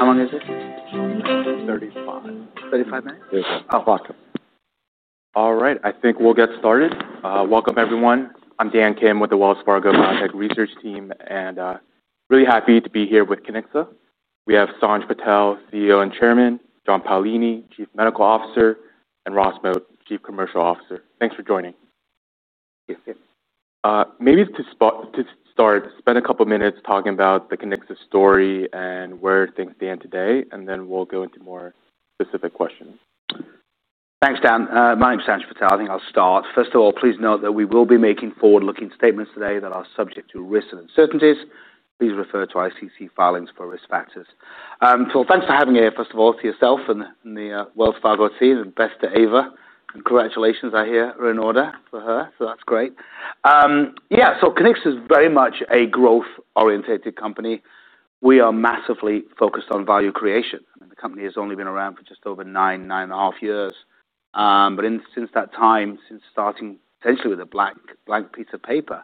... How long is it? Thirty-five. Thirty-five minutes? Yeah. Oh, welcome. All right, I think we'll get started. Welcome everyone. I'm Dan Kim with the Wells Fargo Biotech Research Team, and really happy to be here with Kiniksa. We have Sanj Patel, CEO and Chairman, John Paolini, Chief Medical Officer, and Ross Moat, Chief Commercial Officer. Thanks for joining. Maybe to start, spend a couple of minutes talking about the Kiniksa story and where things stand today, and then we'll go into more specific questions. Thanks, Dan. My name's Sanj Patel. I think I'll start. First of all, please note that we will be making forward-looking statements today that are subject to risks and uncertainties. Please refer to our SEC filings for risk factors. So thanks for having me here, first of all, to yourself and the Wells Fargo team, and best to Eva, and congratulations are here in order for her, so that's great. Yeah, so Kiniksa is very much a growth-oriented company. We are massively focused on value creation, and the company has only been around for just over nine, nine and a half years. But since that time, since starting essentially with a blank, blank piece of paper,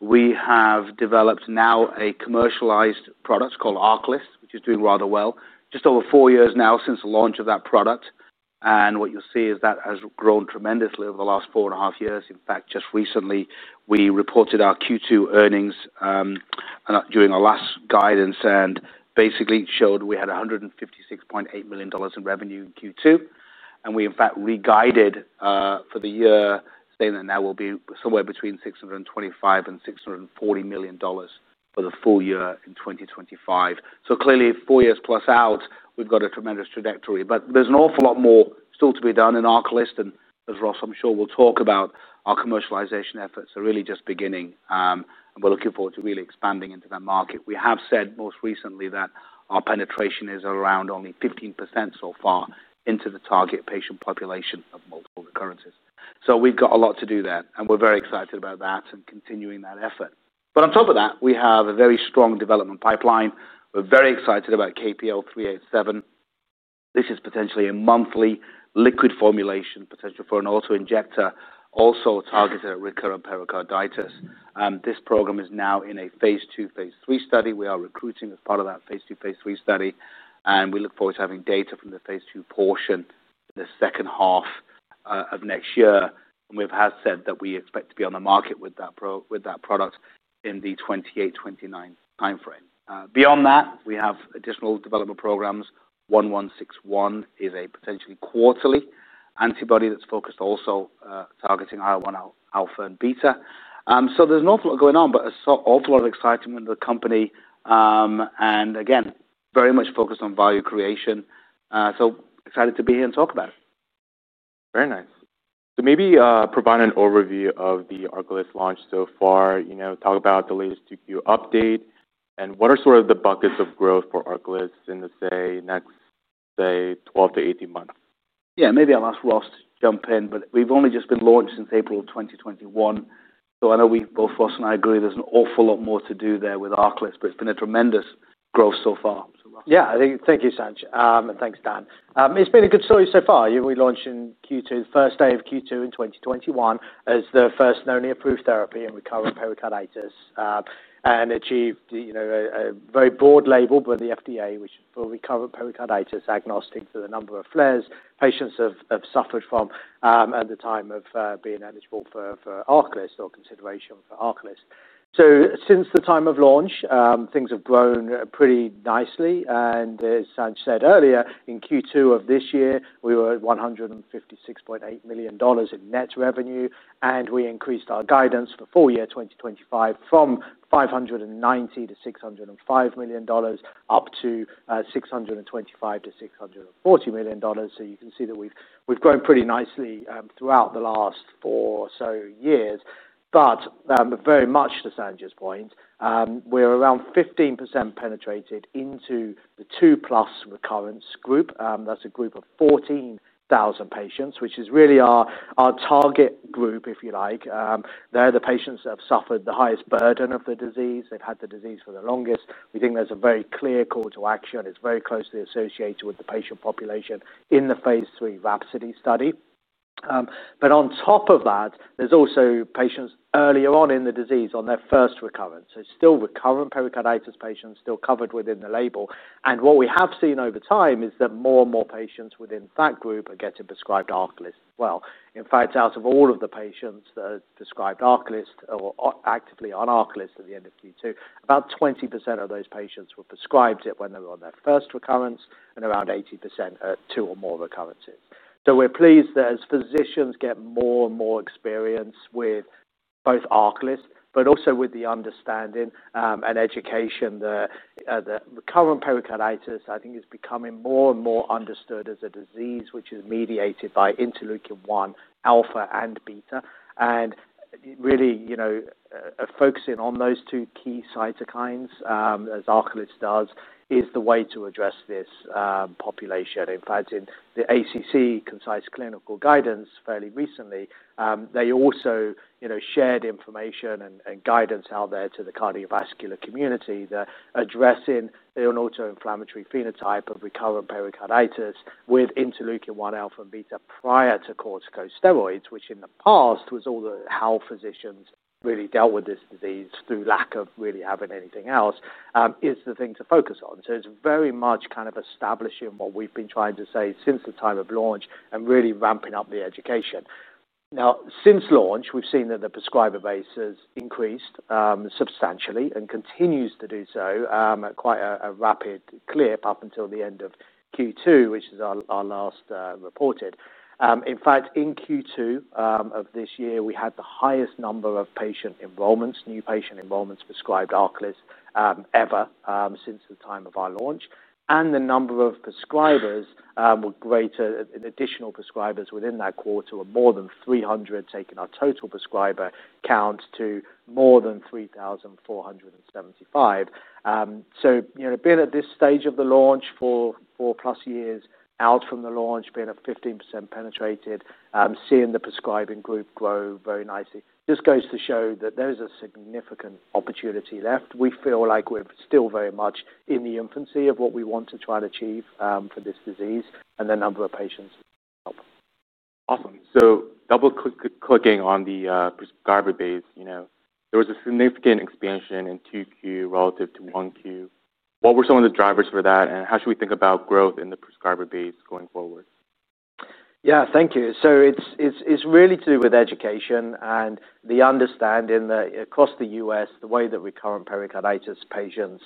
we have developed now a commercialized product called ARCALYST, which is doing rather well. Just over four years now since the launch of that product, and what you'll see is that has grown tremendously over the last four and a half years. In fact, just recently, we reported our Q2 earnings, and during our last guidance, and basically, it showed we had $156.8 million in revenue in Q2, and we, in fact, reguided, for the year, saying that now we'll be somewhere between $625 and $640 million for the full year in 2025. So clearly, four years plus out, we've got a tremendous trajectory, but there's an awful lot more still to be done in ARCALYST and as Ross, I'm sure will talk about, our commercialization efforts are really just beginning. And we're looking forward to really expanding into that market. We have said most recently that our penetration is around only 15% so far into the target patient population of multiple recurrences. We've got a lot to do there, and we're very excited about that and continuing that effort. On top of that, we have a very strong development pipeline. We're very excited about KPL-387. This is potentially a monthly liquid formulation, potential for an auto-injector, also targeted at recurrent pericarditis. This program Phase 2/Phase 3 study. we are recruiting Phase 2/Phase 3 study, and we look forward to having data Phase 2 portion in the second half of next year. We have said that we expect to be on the market with that product in the 2028-2029 timeframe. Beyond that, we have additional development programs. 1161 is a potentially quarterly antibody that's focused also, targeting IL-1 alpha and beta. So there's an awful lot going on, but it's also a lot of excitement with the company, and again, very much focused on value creation. So excited to be here and talk about it. Very nice. So maybe provide an overview of the ARCALYST launch so far. You know, talk about the latest Q2 update, and what are sort of the buckets of growth for ARCALYST in, let's say, next, say, twelve to eighteen months? Yeah, maybe I'll ask Ross to jump in, but we've only just been launched since April of 2021, so I know we both, Ross and I, agree there's an awful lot more to do there with ARCALYST, but it's been a tremendous growth so far. Yeah. Thank you, Sanj, and thanks, Dan. It's been a good story so far. We launched in Q2, first day of Q2 in 2021, as the first and only approved therapy in recurrent pericarditis, and achieved, you know, a very broad label with the FDA, which for recurrent pericarditis, agnostic to the number of flares patients have suffered from, at the time of being eligible for ARCALYST or consideration for ARCALYST. So since the time of launch, things have grown pretty nicely, and as Sanj said earlier, in Q2 of this year, we were at $156.8 million in net revenue, and we increased our guidance for full year 2025 from $590 million to $605 million, up to $625 million-$640 million. So you can see that we've grown pretty nicely throughout the last four or so years. But very much to Sanj's point, we're around 15% penetrated into the two-plus recurrence group. That's a group of 14 thousand patients, which is really our target group, if you like. They're the patients that have suffered the highest burden of the disease. They've had the disease for the longest. We think there's a very clear call to action. It's very closely associated with the patient population in the Phase 3 RHAPSODY study. But on top of that, there's also patients earlier on in the disease on their first recurrence. So it's still recurrent pericarditis patients, still covered within the label, and what we have seen over time is that more and more patients within that group are getting prescribed ARCALYST as well. In fact, out of all of the patients that are prescribed ARCALYST or are actively on ARCALYST at the end of Q2, about 20% of those patients were prescribed it when they were on their first recurrence, and around 80% are two or more recurrences, so we're pleased that as physicians get more and more experience with both ARCALYST but also with the understanding and education, the recurrent pericarditis, I think, is becoming more and more understood as a disease which is mediated by interleukin-1 alpha and beta, and really, you know, focusing on those two key cytokines, as ARCALYST does, is the way to address this population. In fact, in the ACC Concise Clinical Guidance fairly recently, they also, you know, shared information and guidance out there to the cardiovascular community that addressing the autoinflammatory phenotype of recurrent pericarditis with interleukin-1 alpha and beta prior to corticosteroids, which in the past was all the... how physicians really dealt with this disease through lack of really having anything else, is the thing to focus on. So it's very much kind of establishing what we've been trying to say since the time of launch and really ramping up the education. Now, since launch, we've seen that the prescriber base has increased substantially and continues to do so at quite a rapid clip up until the end of Q2, which is our last reported. In fact, in Q2 of this year, we had the highest number of patient enrollments, new patient enrollments prescribed ARCALYST, ever, since the time of our launch. And the number of prescribers were greater. An additional prescribers within that quarter were more than three hundred, taking our total prescriber count to more than three thousand four hundred and seventy-five. So, you know, being at this stage of the launch for four-plus years, out from the launch, being at 15% penetrated, seeing the prescribing group grow very nicely, just goes to show that there is a significant opportunity left. We feel like we're still very much in the infancy of what we want to try to achieve, for this disease and the number of patients involved. Awesome. So double clicking on the prescriber base, you know, there was a significant expansion in Q2 relative to Q1. What were some of the drivers for that, and how should we think about growth in the prescriber base going forward? Yeah. Thank you. So it's really to do with education and the understanding that across the U.S., the way that recurrent pericarditis patients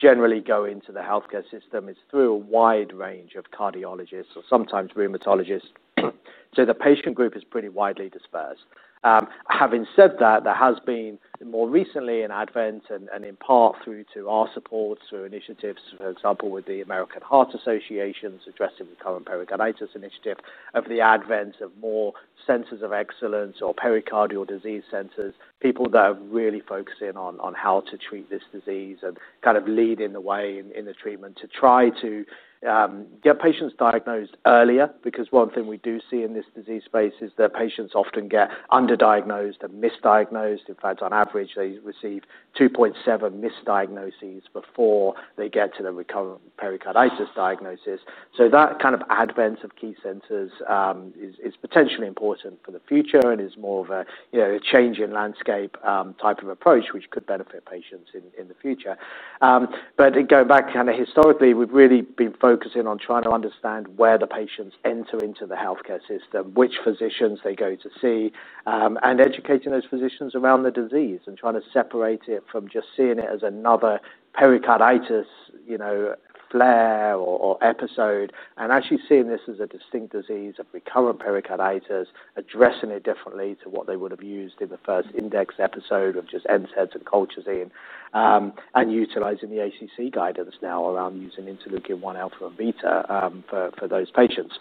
generally go into the healthcare system is through a wide range of cardiologists or sometimes rheumatologists. So the patient group is pretty widely dispersed. Having said that, there has been, more recently, an advent, and in part through our support, through initiatives, for example, with the American Heart Association's Addressing Recurrent Pericarditis initiative, of more centers of excellence or pericardial disease centers, people that are really focusing on how to treat this disease and kind of leading the way in the treatment to try to get patients diagnosed earlier. Because one thing we do see in this disease space is that patients often get underdiagnosed and misdiagnosed. In fact, on average, they receive 2.7 misdiagnoses before they get to the recurrent pericarditis diagnosis. So that kind of advent of key centers is potentially important for the future and is more of a, you know, a change in landscape type of approach, which could benefit patients in the future. But to go back kind of historically, we've really been focusing on trying to understand where the patients enter into the healthcare system, which physicians they go to see, and educating those physicians around the disease and trying to separate it from just seeing it as another pericarditis, you know, flare or episode, and actually seeing this as a distinct disease of recurrent pericarditis, addressing it differently to what they would have used in the first index episode, of just NSAIDs and colchicine, and utilizing the ACC guidance now around using interleukin-1 alpha and beta, for those patients.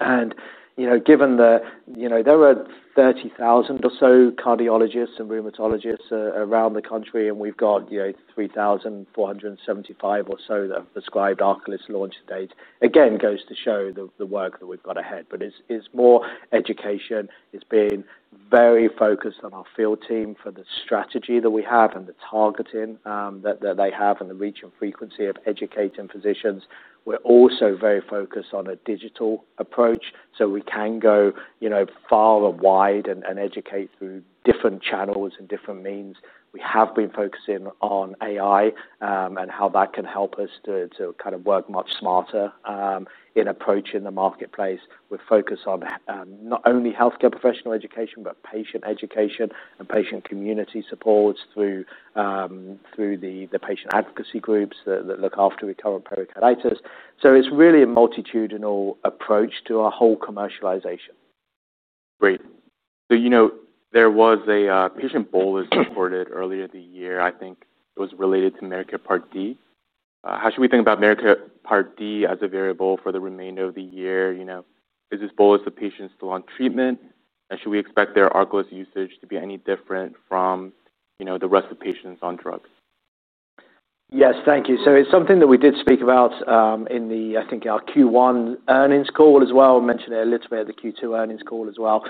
And, you know, given the... You know, there are 30,000 or so cardiologists and rheumatologists around the country, and we've got, you know, 3,475 or so that have prescribed ARCALYST launch date. Again, goes to show the work that we've got ahead, but it's more education. It's being very focused on our field team for the strategy that we have and the targeting that they have and the reach and frequency of educating physicians. We're also very focused on a digital approach, so we can go, you know, far and wide and educate through different channels and different means. We have been focusing on AI and how that can help us to kind of work much smarter in approaching the marketplace. We focus on not only healthcare professional education, but patient education and patient community supports through the patient advocacy groups that look after recurrent pericarditis, so it's really a multifaceted approach to our whole commercialization. Great. So, you know, there was a patient bolus reported earlier in the year. I think it was related to Medicare Part D. How should we think about Medicare Part D as a variable for the remainder of the year? You know, is this bolus of patients still on treatment, and should we expect their ARCALYST usage to be any different from, you know, the rest of patients on drugs? Yes. Thank you. So it's something that we did speak about in the, I think, our Q1 earnings call as well. Mentioned it a little bit at the Q2 earnings call as well.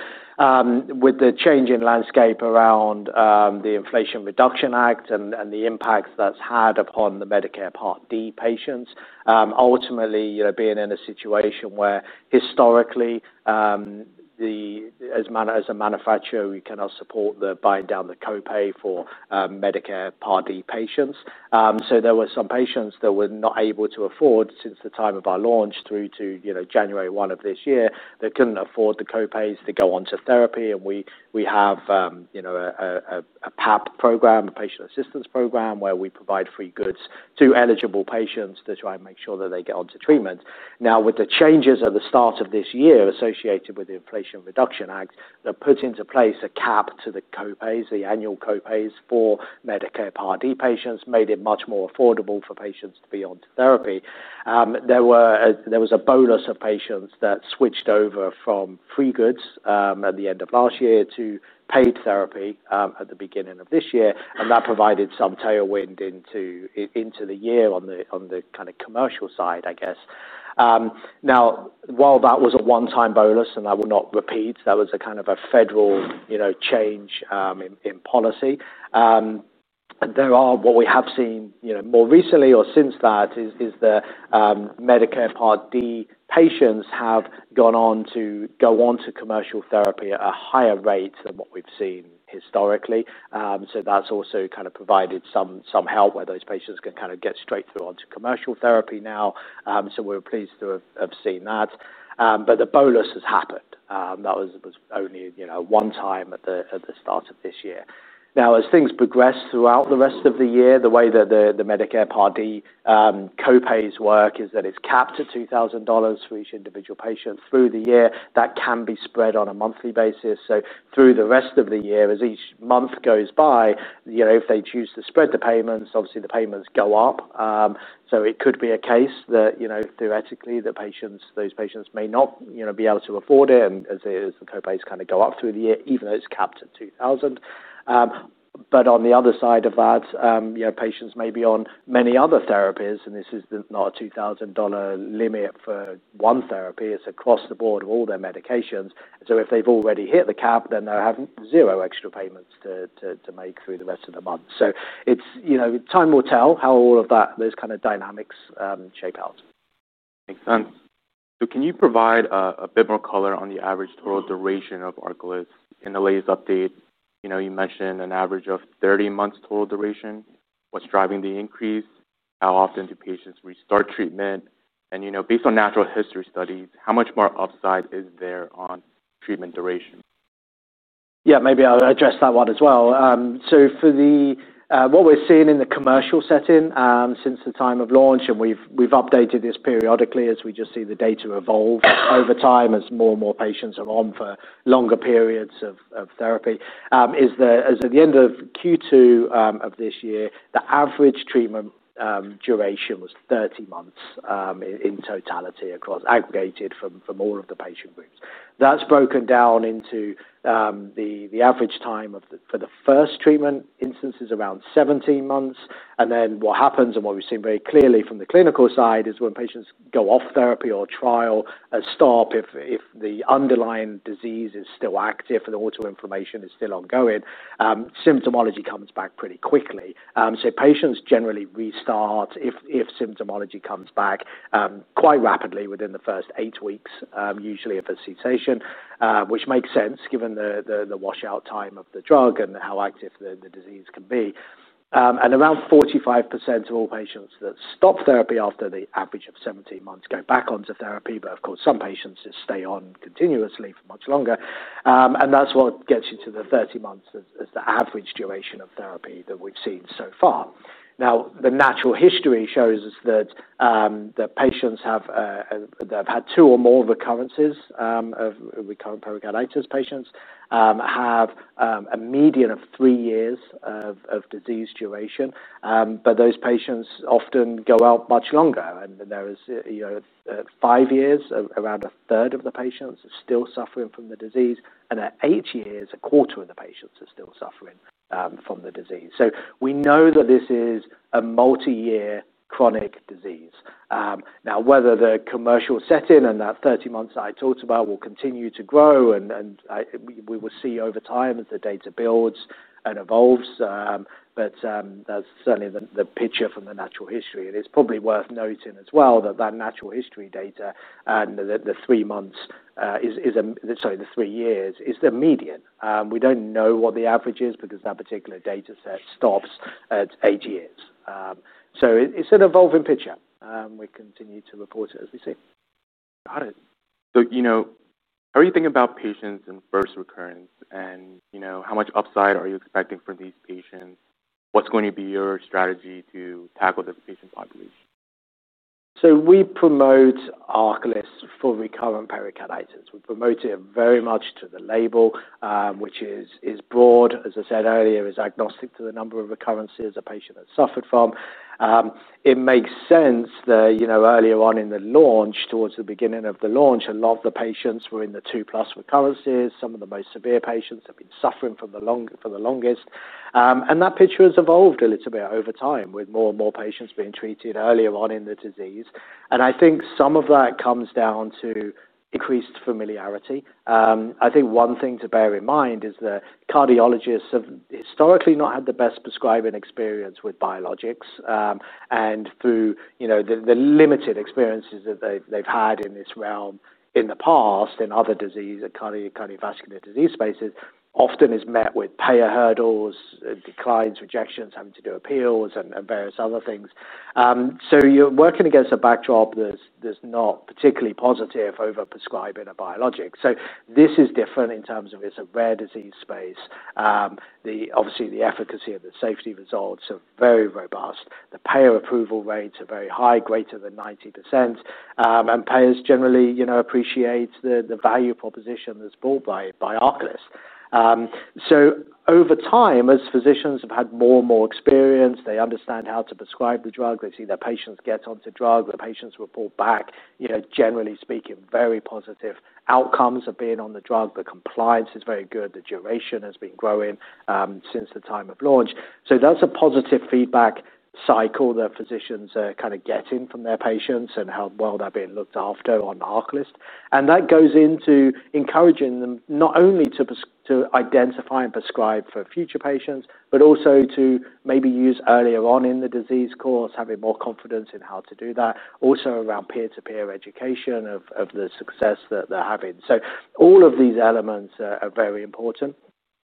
With the change in landscape around the Inflation Reduction Act and the impact that's had upon the Medicare Part D patients, ultimately, you know, being in a situation where historically, as a manufacturer, we cannot support the buying down the copay for Medicare Part D patients. So there were some patients that were not able to afford, since the time of our launch through to, you know, January 1 of this year, they couldn't afford the copays to go onto therapy, and we have, you know, a PAP program, a patient assistance program, where we provide free goods to eligible patients to try and make sure that they get onto treatment. Now, with the changes at the start of this year associated with the Inflation Reduction Act, that put into place a cap to the copays, the annual copays for Medicare Part D patients, made it much more affordable for patients to be on therapy. There was a bolus of patients that switched over from free goods at the end of last year to paid therapy at the beginning of this year, and that provided some tailwind into the year on the kind of commercial side, I guess. Now, while that was a one-time bolus, and that will not repeat, that was a kind of a federal, you know, change in policy. What we have seen, you know, more recently or since that is the Medicare Part D patients have gone on to commercial therapy at a higher rate than what we've seen historically. So that's also kind of provided some help where those patients can kind of get straight through onto commercial therapy now. So we're pleased to have seen that. But the bolus has happened. That was only, you know, one time at the start of this year. Now, as things progress throughout the rest of the year, the way that the Medicare Part D copays work is that it's capped at $2,000 for each individual patient through the year. That can be spread on a monthly basis. So through the rest of the year, as each month goes by, you know, if they choose to spread the payments, obviously the payments go up. So it could be a case that, you know, theoretically, the patients, those patients may not, you know, be able to afford it, and as the copays kind of go up through the year, even though it's capped at $2,000. But on the other side of that, you know, patients may be on many other therapies, and this is not a $2,000 limit for one therapy. It's across the board of all their medications. So if they've already hit the cap, then they'll have zero extra payments to make through the rest of the month. So it's. You know, time will tell how all of that, those kind of dynamics, shape out. Makes sense. So can you provide a bit more color on the average total duration of ARCALYST? In the latest update, you know, you mentioned an average of thirty months total duration. What's driving the increase? How often do patients restart treatment? And, you know, based on natural history studies, how much more upside is there on treatment duration? Yeah, maybe I'll address that one as well. So, what we're seeing in the commercial setting since the time of launch, and we've updated this periodically as we just see the data evolve over time as more and more patients are on for longer periods of therapy is that at the end of Q2 of this year, the average treatment duration was 30 months in totality across aggregated from all of the patient groups. That's broken down into the average time for the first treatment instance is around 17 months. And then what happens, and what we've seen very clearly from the clinical side, is when patients go off therapy or trial stop, if the underlying disease is still active and the autoinflammation is still ongoing, symptomology comes back pretty quickly. So patients generally restart if symptomology comes back quite rapidly within the first eight weeks usually of a cessation, which makes sense given the washout time of the drug and how active the disease can be. And around 45% of all patients that stop therapy after the average of 17 months go back onto therapy, but of course, some patients just stay on continuously for much longer. And that's what gets you to the 30 months as the average duration of therapy that we've seen so far. Now, the natural history shows us that the patients that have had two or more recurrences of recurrent pericarditis patients have a median of three years of disease duration, but those patients often go out much longer. And there is, you know, five years around a third of the patients are still suffering from the disease, and at eight years, a quarter of the patients are still suffering from the disease. So we know that this is a multi-year chronic disease. Now, whether the commercial setting and that thirty months that I talked about will continue to grow, and we will see over time as the data builds and evolves, but that's certainly the picture from the natural history. And it's probably worth noting as well that that natural history data and the three months is the median. Sorry, the three years is the median. We don't know what the average is because that particular data set stops at eight years. So it, it's an evolving picture, we continue to report it as we see. Got it. So, you know, how are you thinking about patients in first recurrence and, you know, how much upside are you expecting from these patients? What's going to be your strategy to tackle this patient population? So we promote ARCALYST for recurrent pericarditis. We promote it very much to the label, which is broad, as I said earlier, is agnostic to the number of recurrences a patient has suffered from. It makes sense that, you know, earlier on in the launch, towards the beginning of the launch, a lot of the patients were in the two-plus recurrences. Some of the most severe patients have been suffering for the longest. And that picture has evolved a little bit over time, with more and more patients being treated earlier on in the disease. And I think some of that comes down to increased familiarity. I think one thing to bear in mind is that cardiologists have historically not had the best prescribing experience with biologics. And through, you know, the limited experiences that they've had in this realm in the past, in other disease cardiovascular disease spaces, often is met with payer hurdles, declines, rejections, having to do appeals and various other things. So you're working against a backdrop that's not particularly positive over prescribing a biologic. So this is different in terms of it's a rare disease space. Obviously, the efficacy and the safety results are very robust. The payer approval rates are very high, greater than 90%. And payers generally, you know, appreciate the value proposition that's brought by ARCALYST. So over time, as physicians have had more and more experience, they understand how to prescribe the drug. They see their patients get onto drug. The patients report back, you know, generally speaking, very positive outcomes of being on the drug. The compliance is very good. The duration has been growing since the time of launch. So that's a positive feedback cycle that physicians are kind of getting from their patients and how well they're being looked after on ARCALYST, and that goes into encouraging them not only to identify and prescribe for future patients, but also to maybe use earlier on in the disease course, having more confidence in how to do that, also around peer-to-peer education of the success that they're having. So all of these elements are very important,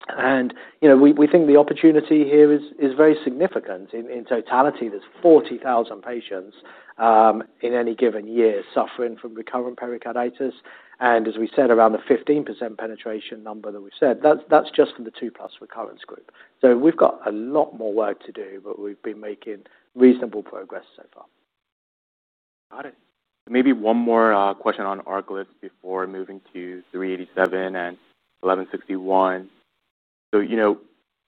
and, you know, we think the opportunity here is very significant. In totality, there's 40,000 patients in any given year suffering from recurrent pericarditis, and as we said, around the 15% penetration number that we've said, that's just for the two-plus recurrence group, so we've got a lot more work to do, but we've been making reasonable progress so far. Got it. Maybe one more question on ARCALYST before moving to 387 and 1161. So, you know,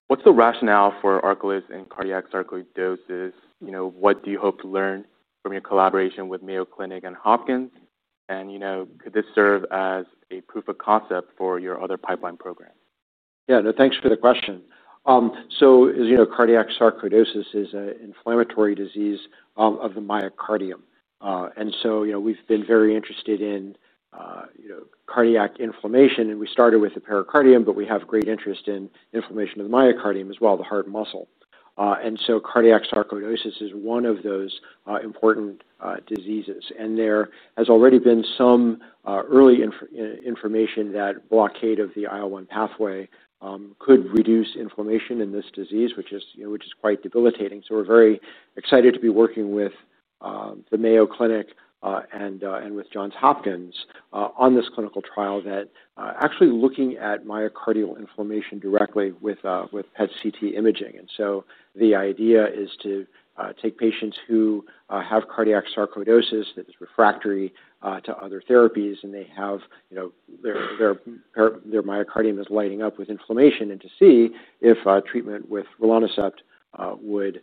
what's the rationale for ARCALYST in cardiac sarcoidosis? You know, what do you hope to learn from your collaboration with Mayo Clinic and Hopkins? And, you know, could this serve as a proof of concept for your other pipeline programs? Yeah, thanks for the question. So as you know, cardiac sarcoidosis is an inflammatory disease of the myocardium. And so, you know, we've been very interested in, you know, cardiac inflammation, and we started with the pericardium, but we have great interest in inflammation of the myocardium as well, the heart muscle. And so cardiac sarcoidosis is one of those important diseases. And there has already been some early information that blockade of the IL-1 pathway could reduce inflammation in this disease, which is, you know, which is quite debilitating. So we're very excited to be working with the Mayo Clinic and with Johns Hopkins on this clinical trial that actually looking at myocardial inflammation directly with PET/CT imaging. And so the idea is to take patients who have cardiac sarcoidosis that is refractory to other therapies, and they have, you know, their myocardium is lighting up with inflammation, and to see if treatment with rilonacept, ARCALYST,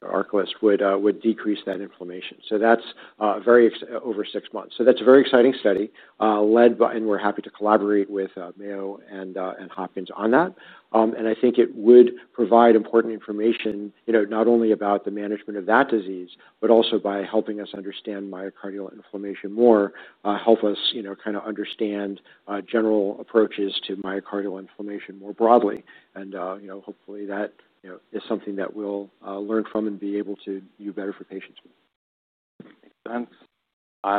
would decrease that inflammation. So that's a very exciting study over six months, led by, and we're happy to collaborate with Mayo and Hopkins on that. And I think it would provide important information, you know, not only about the management of that disease, but also by helping us understand myocardial inflammation more help us, you know, kind of understand general approaches to myocardial inflammation more broadly. And, you know, hopefully that, you know, is something that we'll learn from and be able to do better for patients. Thanks.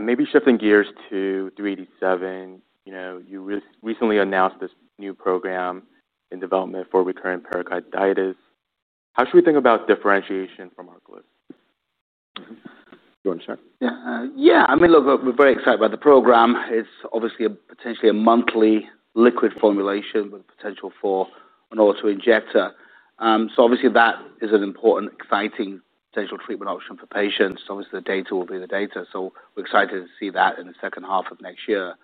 Maybe shifting gears to three eighty-seven. You know, you recently announced this new program in development for recurrent pericarditis. How should we think about differentiation from ARCALYST? You want to start? Yeah. Yeah, I mean, look, we're very excited about the program. It's obviously potentially a monthly liquid formulation with potential for an auto-injector. So obviously that is an important, exciting potential treatment option for patients. Obviously, the data will be the data, so we're excited to see that in the second half of next year.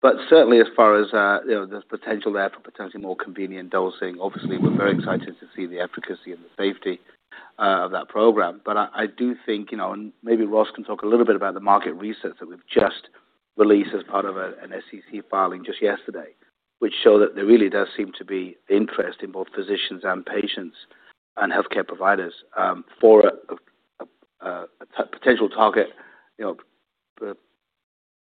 But certainly, as far as, you know, there's potential there for potentially more convenient dosing. Obviously, we're very excited to see the efficacy and the safety of that program. But I do think, you know, and maybe Ross can talk a little bit about the market research that we've just released as part of an SEC filing just yesterday, which show that there really does seem to be interest in both physicians and patients and healthcare providers for a potential target, you know,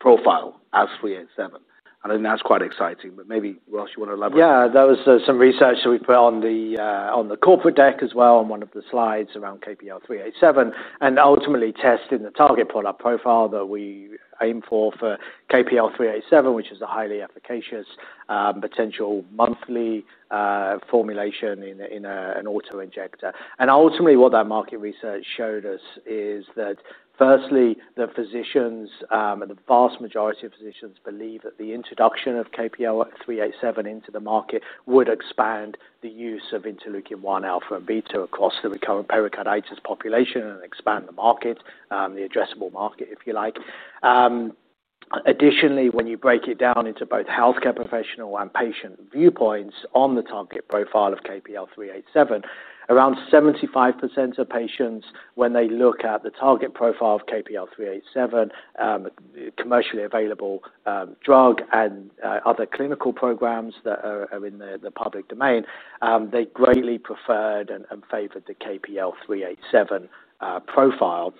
profile as KPL-387. I think that's quite exciting, but maybe, Ross, you want to elaborate? Yeah, there was some research that we put on the corporate deck as well, on one of the slides around KPL-387, and ultimately testing the target product profile that we aim for, for KPL-387, which is a highly efficacious potential monthly formulation in an auto-injector. Ultimately, what that market research showed us is that firstly, the physicians, the vast majority of physicians believe that the introduction of KPL-387 into the market would expand the use of interleukin-1 alpha and beta across the recurrent pericarditis population and expand the market, the addressable market, if you like. Additionally, when you break it down into both healthcare professional and patient viewpoints on the target profile of KPL-387, around 75% of patients, when they look at the target profile of KPL-387, commercially available drug and other clinical programs that are in the public domain, they greatly preferred and favored the KPL-387 profile.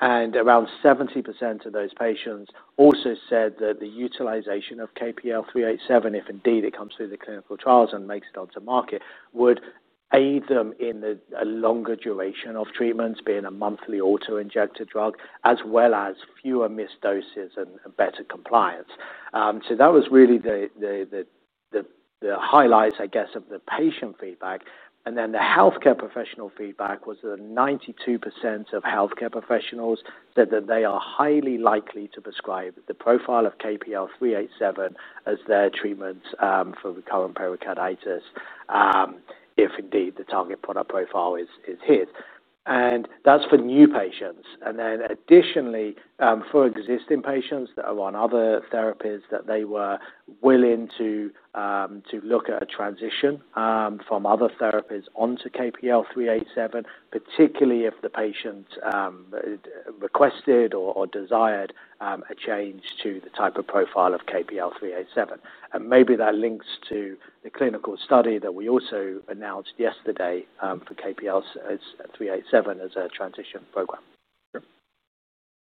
Around 70% of those patients also said that the utilization of KPL-387, if indeed it comes through the clinical trials and makes it onto market, would aid them in a longer duration of treatments, being a monthly auto-injector drug, as well as fewer missed doses and better compliance. So that was really the highlights, I guess, of the patient feedback. Then the healthcare professional feedback was that 92% of healthcare professionals said that they are highly likely to prescribe the profile of KPL-387 as their treatment for recurrent pericarditis, if indeed the target product profile is hit. That's for new patients. Then additionally, for existing patients that are on other therapies, that they were willing to look at a transition from other therapies onto KPL-387, particularly if the patient requested or desired a change to the type of profile of KPL-387. Maybe that links to the clinical study that we also announced yesterday for KPL-387 as a transition program. ...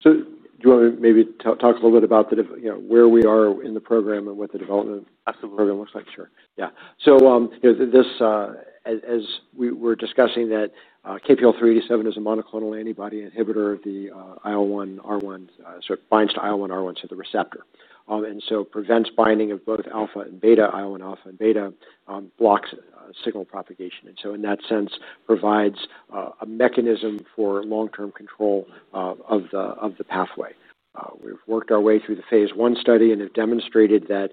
So do you want to maybe talk a little bit about the, you know, where we are in the program and what the development program looks like? Absolutely. Sure. Yeah. So this as we were discussing that KPL-387 is a monoclonal antibody inhibitor, the IL-1R1, so it binds to IL-1 R1, so the receptor. And so prevents binding of both alpha and beta, IL-1 alpha and beta, blocks signal propagation. And so in that sense, provides a mechanism for long-term control of the pathway. We've worked our way through the phase 1 study and have demonstrated that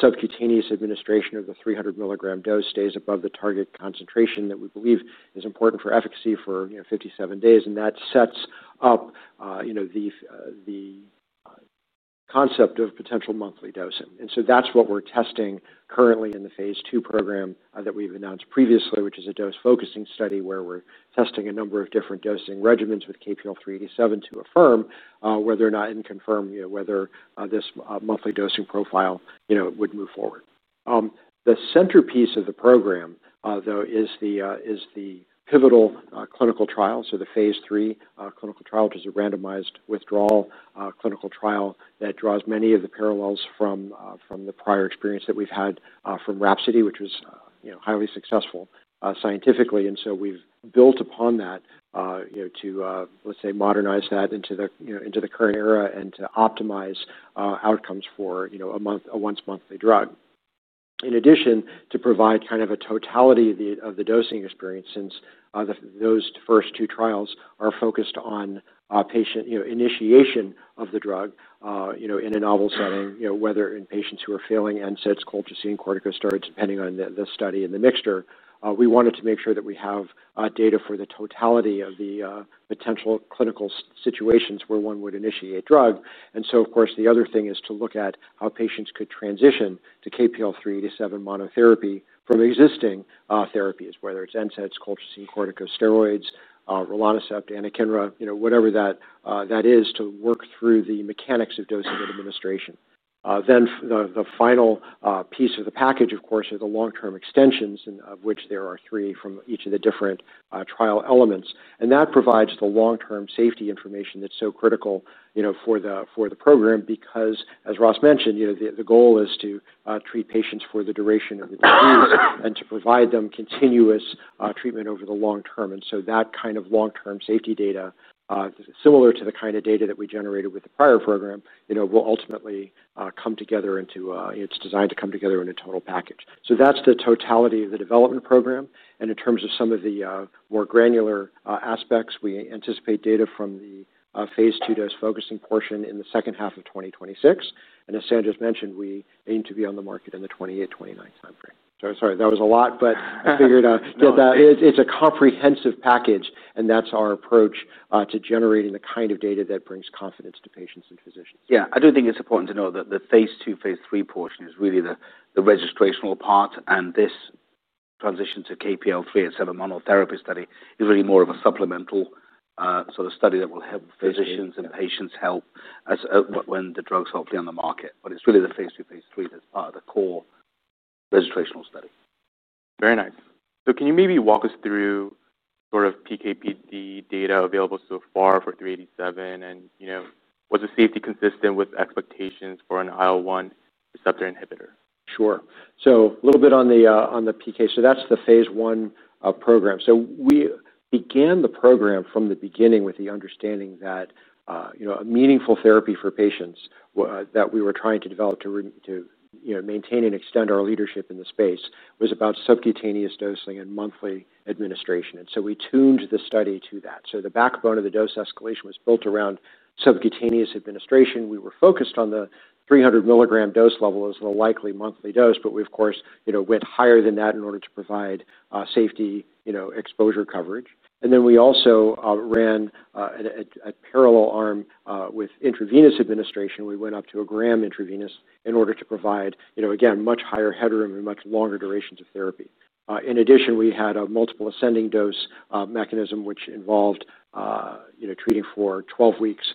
subcutaneous administration of the 300 milligram dose stays above the target concentration that we believe is important for efficacy for, you know, 57 days. And that sets up, you know, the concept of potential monthly dosing. And so that's what we're testing currently Phase 2 program that we've announced previously, which is a dose-focusing study, where we're testing a number of different dosing regimens with KPL-387 to affirm whether or not and confirm, you know, whether this monthly dosing profile, you know, would move forward. The centerpiece of the program, though, is the pivotal clinical trial, so the Phase 3 clinical trial, which is a randomized withdrawal clinical trial that draws many of the parallels from the prior experience that we've had from RHAPSODY, which was, you know, highly successful scientifically. And so we've built upon that, you know, to, let's say, modernize that into the, you know, into the current era and to optimize outcomes for, you know, a once-monthly drug. In addition to provide kind of a totality of the dosing experience, since those first two trials are focused on patient, you know, initiation of the drug, you know, in a novel setting, you know, whether in patients who are failing NSAIDs, colchicine, corticosteroids, depending on the study and the mixture. We wanted to make sure that we have data for the totality of the potential clinical situations where one would initiate drug. And so, of course, the other thing is to look at how patients could transition to KPL-387 monotherapy from existing therapies, whether it's NSAIDs, colchicine, corticosteroids, rilonacept, anakinra, you know, whatever that is, to work through the mechanics of dosing and administration. Then the final piece of the package, of course, are the long-term extensions, and of which there are three from each of the different trial elements. And that provides the long-term safety information that's so critical, you know, for the program, because, as Ross mentioned, you know, the goal is to treat patients for the duration of the disease and to provide them continuous treatment over the long term. And so that kind of long-term safety data, similar to the kind of data that we generated with the prior program, you know, will ultimately come together into... It's designed to come together in a total package. So that's the totality of the development program. And in terms of some of the more granular aspects, we anticipate data Phase 2 dose-focusing portion in the second half of 2026. And as Sanj just mentioned, we aim to be on the market in the 2028-2029 time frame. So sorry, that was a lot, but I figured that it's a comprehensive package, and that's our approach to generating the kind of data that brings confidence to patients and physicians. Yeah, I do think it's important to know that the Phase 2/Phase 3 portion is really the, the registrational part, and this transition to KPL-387 monotherapy study is really more of a sort of study that will help physicians. Yeah. And patients help as when the drug's hopefully on the market. But it's really the Phase 2/Phase 3 that are the core registrational study. Very nice. So can you maybe walk us through sort of PK/PD data available so far for three eighty-seven, and, you know, was the safety consistent with expectations for an IL-1 receptor inhibitor? Sure. So a little bit on the on the PK. So that's the Phase 1 program. So we began the program from the beginning with the understanding that, you know, a meaningful therapy for patients that we were trying to develop to, you know, maintain and extend our leadership in the space, was about subcutaneous dosing and monthly administration. And so we tuned the study to that. So the backbone of the dose escalation was built around subcutaneous administration. We were focused on the 300 milligram dose level as the likely monthly dose, but we, of course, you know, went higher than that in order to provide safety, you know, exposure coverage. And then we also ran a parallel arm with intravenous administration. We went up to a gram intravenous in order to provide, you know, again, much higher headroom and much longer durations of therapy. In addition, we had a multiple ascending dose mechanism, which involved you know, treating for 12 weeks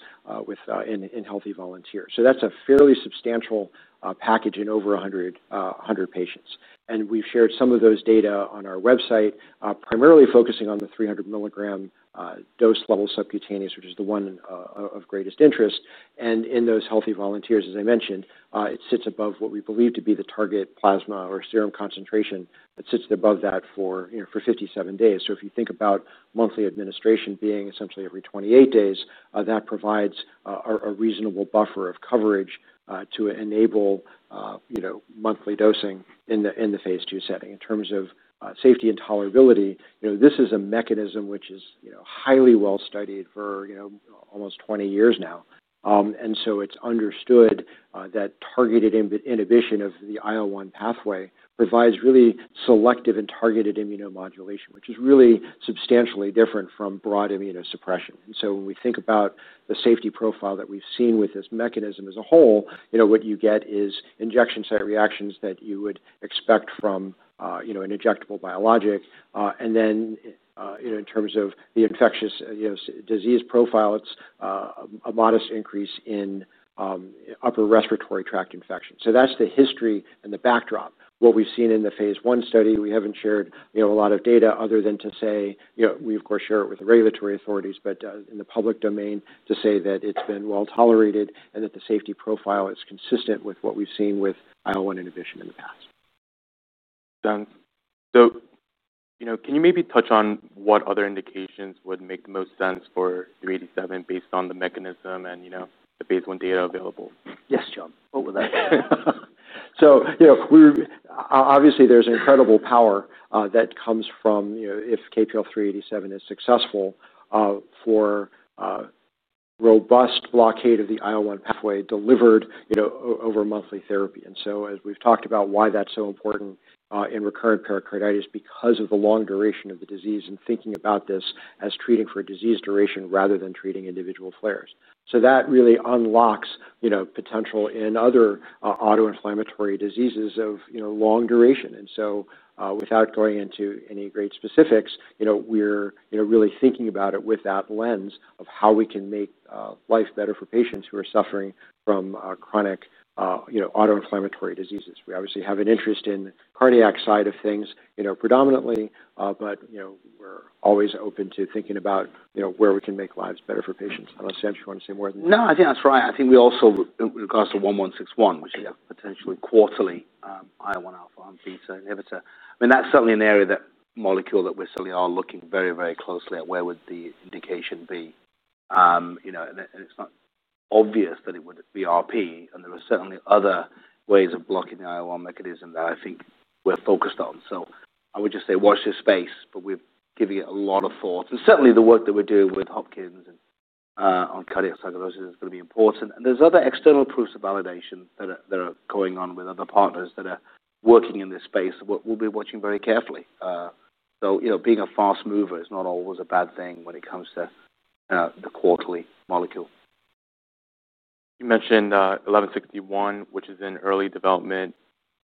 in healthy volunteers. So that's a fairly substantial package in over 100 patients. And we've shared some of those data on our website primarily focusing on the 300 mg dose level subcutaneous, which is the one of greatest interest. And in those healthy volunteers, as I mentioned, it sits above what we believe to be the target plasma or serum concentration. It sits above that for you know, for 57 days. So if you think about monthly administration being essentially every 28 days, that provides a reasonable buffer of coverage to enable you know, monthly dosing in Phase 2 setting. In terms of safety and tolerability, you know, this is a mechanism which is, you know, highly well-studied for, you know, almost twenty years now. And so it's understood that targeted inhibition of the IL-1 pathway provides really selective and targeted immunomodulation, which is really substantially different from broad immunosuppression. And so when we think about the safety profile that we've seen with this mechanism as a whole, you know, what you get is injection site reactions that you would expect from, you know, an injectable biologic. And then, you know, in terms of the infectious disease profile, it's a modest increase in upper respiratory tract infections. So that's the history and the backdrop. What we've seen in the Phase 1 study, we haven't shared, you know, a lot of data other than to say... You know, we, of course, share it with the regulatory authorities, but, in the public domain, to say that it's been well-tolerated and that the safety profile is consistent with what we've seen with IL-1 inhibition in the past.... Makes sense. So, you know, can you maybe touch on what other indications would make the most sense for three eighty-seven, based on the mechanism and, you know, the Phase 1 data available? Yes, John, what would that be? So, you know, we're obviously. There's incredible power that comes from, you know, if KPL-387 is successful for robust blockade of the IL-1 pathway delivered, you know, over monthly therapy. And so as we've talked about why that's so important in recurrent pericarditis, because of the long duration of the disease and thinking about this as treating for a disease duration rather than treating individual flares. So that really unlocks, you know, potential in other autoinflammatory diseases of, you know, long duration. And so, without going into any great specifics, you know, we're, you know, really thinking about it with that lens of how we can make life better for patients who are suffering from chronic, you know, autoinflammatory diseases. We obviously have an interest in the cardiac side of things, you know, predominantly, but, you know, we're always open to thinking about, you know, where we can make lives better for patients. I don't know, Sanj, do you want to say more than that? No, I think that's right. I think we also, in regards to 1161- Yeah -which is a potentially quarterly IL-1 alpha and beta inhibitor. I mean, that's certainly an area, that molecule, that we certainly are looking very, very closely at where would the indication be. You know, and, and it's not obvious that it would be RP, and there are certainly other ways of blocking the IL-1 mechanism that I think we're focused on. So I would just say watch this space, but we're giving it a lot of thought. And certainly, the work that we're doing with Hopkins and on cardiac sarcoidosis is going to be important. And there's other external proofs of validation that are, that are going on with other partners that are working in this space. We'll be watching very carefully. So, you know, being a fast mover is not always a bad thing when it comes to the quarterly molecule. You mentioned 1161, which is in early development.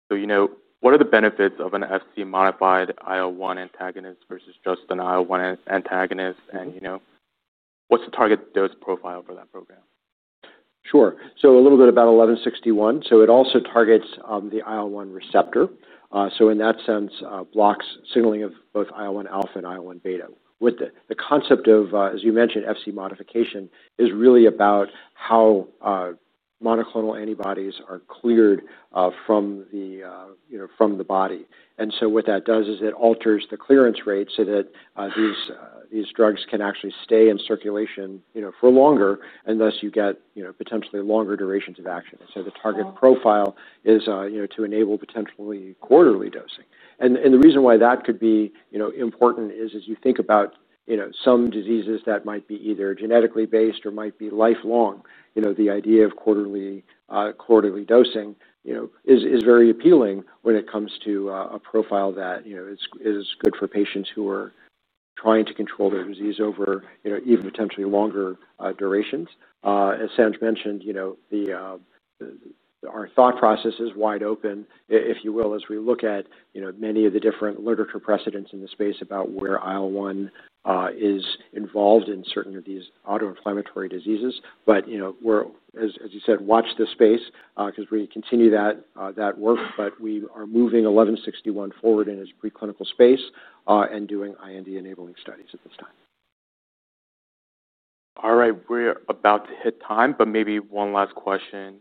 So, you know, what are the benefits of an Fc modified IL-1 antagonist versus just an IL-1 antagonist? And, you know, what's the target dose profile for that program? Sure. So a little bit about 1161. So it also targets the IL-1 receptor. So in that sense blocks signaling of both IL-1 alpha and IL-1 beta. With it, the concept of, as you mentioned, Fc modification, is really about how monoclonal antibodies are cleared, you know, from the body. And so what that does is it alters the clearance rate so that these drugs can actually stay in circulation, you know, for longer, and thus you get, you know, potentially longer durations of action. So the target profile is, you know, to enable potentially quarterly dosing. The reason why that could be, you know, important is, as you think about, you know, some diseases that might be either genetically based or might be lifelong, you know, the idea of quarterly dosing, you know, is very appealing when it comes to a profile that, you know, is good for patients who are trying to control their disease over, you know, even potentially longer durations. As Sanj mentioned, you know, our thought process is wide open, if you will, as we look at, you know, many of the different literature precedents in the space about where IL-1 is involved in certain of these autoinflammatory diseases, but you know, we're... As you said, watch this space, 'cause we continue that work, but we are moving 1161 forward in its preclinical space, and doing IND-enabling studies at this time. All right, we're about to hit time, but maybe one last question.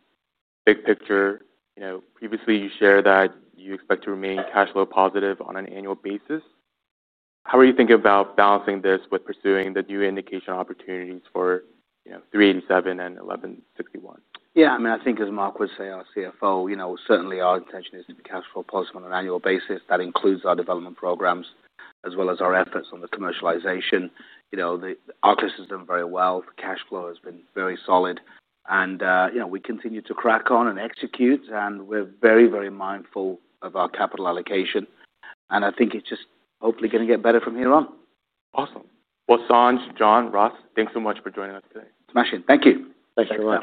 Big picture, you know, previously, you shared that you expect to remain cash flow positive on an annual basis. How are you thinking about balancing this with pursuing the new indication opportunities for, you know, 387 and 1161? Yeah, I mean, I think as Mark would say, our CFO, you know, certainly our intention is to be cash flow positive on an annual basis. That includes our development programs as well as our efforts on the commercialization. You know, the ARCALYST has done very well. The cash flow has been very solid and, you know, we continue to crack on and execute, and we're very, very mindful of our capital allocation, and I think it's just hopefully going to get better from here on. Awesome. Well, Sanj, John, Ross, thanks so much for joining us today. Smashing. Thank you. Thank you very much.